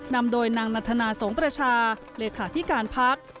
นำโดยนางนาธนาศงประชาเหรอาขศิการภักดิ์